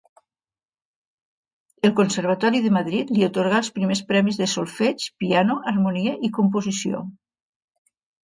El Conservatori de Madrid li atorgà els primers premis de solfeig, piano, harmonia i composició.